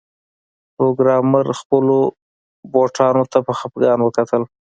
پروګرامر خپلو بوټانو ته په خفګان وکتل